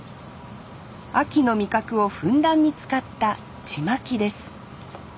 秋の味覚をふんだんに使ったちまきです。